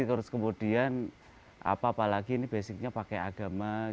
terus kemudian apa apalagi ini basicnya pakai agama